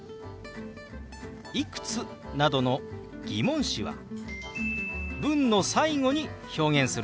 「いくつ？」などの疑問詞は文の最後に表現するんでしたね。